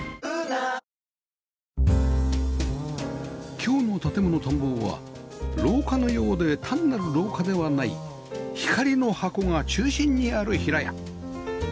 今日の『建もの探訪』は廊下のようで単なる廊下ではない「光の箱」が中心にある平屋